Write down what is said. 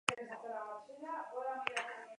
Protagonizada por Paul Newman en el rol principal.